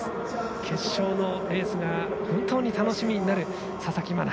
決勝のレースが本当に楽しみになる佐々木真菜。